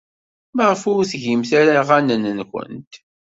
Maɣef ur tgimt ara aɣanen-nwent?